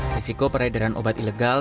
risiko peredaran obat ilegal